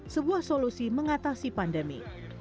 sebuah solusi mengatasi pandemi